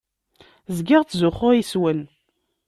Zgiɣ ttzuxxuɣ yes-wen.